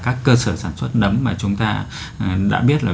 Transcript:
các cơ sở sản xuất nấm mà chúng ta đã biết là